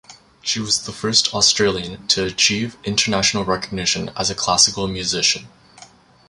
She was the first Australian to achieve international recognition as a classical musician.